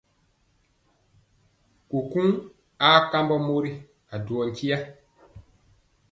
Kukuŋ aa kambɔ mori a duwɔ nkya.